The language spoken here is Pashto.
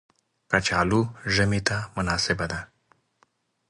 کچالو ژمي ته مناسبه ده